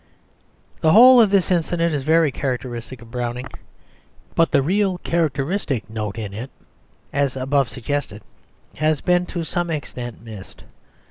The whole of this incident is very characteristic of Browning; but the real characteristic note in it has, as above suggested, been to some extent missed.